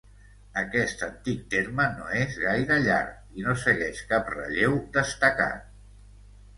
Aquest antic terme no és gaire llarg, i no segueix cap relleu destacat.